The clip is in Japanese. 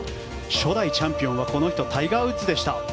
初代チャンピオンはこの人タイガー・ウッズでした。